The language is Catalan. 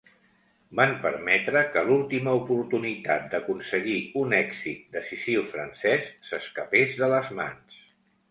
Van permetre que l'última oportunitat d'aconseguir un èxit decisiu francès s'escapés de les mans.